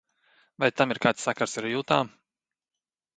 Vai tam ir kāds sakars ar jūtām?